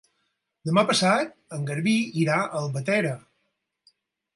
Demà passat en Garbí irà a Albatera.